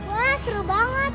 wah seru banget